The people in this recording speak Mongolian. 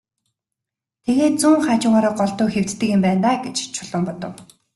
Тэгээд зүүн хажуугаараа голдуу хэвтдэг юм байна даа гэж Чулуун бодов.